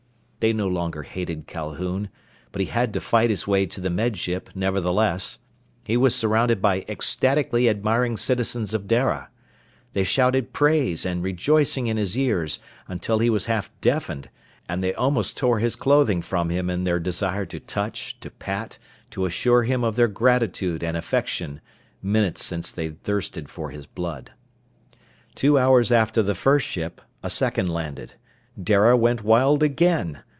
They no longer hated Calhoun, but he had to fight his way to the Med Ship, nevertheless. He was surrounded by ecstatically admiring citizens of Dara. They shouted praise and rejoicing in his ears until he was half deafened, and they almost tore his clothing from them in their desire to touch, to pat, to assure him of their gratitude and affection, minutes since they'd thirsted for his blood. Two hours after the first ship, a second landed. Dara went wild again.